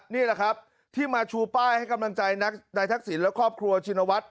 นี่แหละครับที่มาชูป้ายให้กำลังใจนักนายทักษิณและครอบครัวชินวัฒน์